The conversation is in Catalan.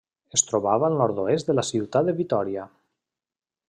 Es trobava al nord-oest de la ciutat de Vitòria.